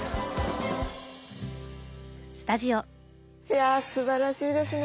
いやすばらしいですね。